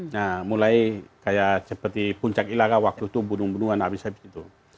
nah mulai kayak seperti puncak ilaka waktu itu bunuh bunuhan habis habis gitu